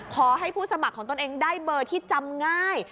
ขอให้ผู้สมัครของตนเองได้เบอร์ที่จำง่าย